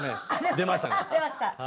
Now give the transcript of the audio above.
出ましたか。